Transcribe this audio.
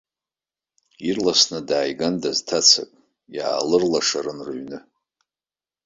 Ирласны дааигандаз, ҭацак иаалырлашарын рыҩны.